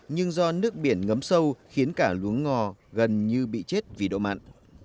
nhưng do nước biển ngấm sâu khiến cả luống ngò gần như bị chết vì độ mặn